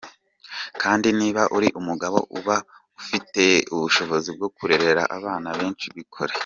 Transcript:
Kandi niba uri umugabo ukaba ufite ubushobozi bwo kurera abana benshi bikore.”